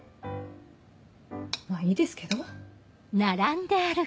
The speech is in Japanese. まぁいいですけど。